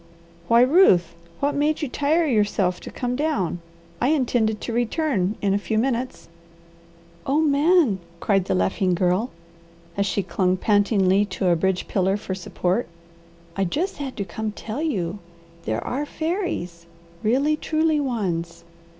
"Why Ruth, what made you tire yourself to come down? I intended to return in a few minutes." "Oh Man!" cried the laughing Girl, as she clung pantingly to a bridge pillar for support, "I just had to come to tell you. There are fairies! Really truly ones!